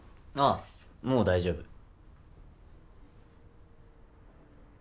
ああもう大丈夫。